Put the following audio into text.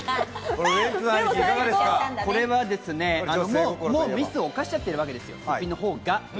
これはもうミスを犯しているわけですよ。